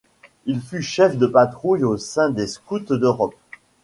Il fut chef de patrouille au sein des Scouts d'Europe.